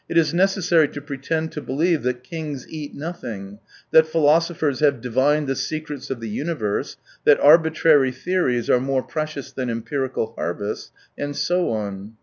It is necessary to prptend to believe that kings eat nothing, that philo sophers have divined the secrets of the universe, that arbitrary theories are more precious than empirical harvests, and so on.